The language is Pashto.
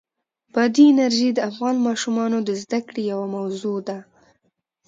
بادي انرژي د افغان ماشومانو د زده کړې یوه موضوع ده.